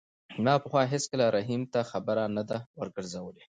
ما پخوا هېڅکله رحیم ته خبره نه ده ورګرځولې.